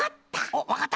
おっわかった？